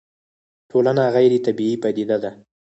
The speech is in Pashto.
ټولنه غيري طبيعي پديده ده